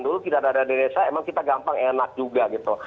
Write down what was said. dulu kita dana desa emang kita gampang enak juga gitu